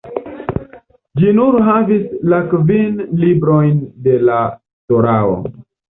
Ĝi nur havis la kvin librojn de la Torao.